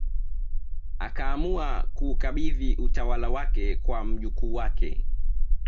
akaamua kuukabidhi utawala wake kwa mjukuu ambaye